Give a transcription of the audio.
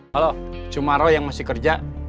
halo cuma roy yang masih kerja